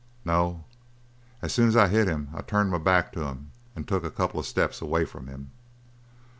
"No. As soon as I hit him I turned my back to him and took a couple of steps away from him."